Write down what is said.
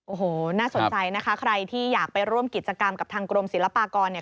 โอ้โหน่าสนใจนะคะใครที่อยากไปร่วมกิจกรรมกับทางกรมศิลปากรเนี่ย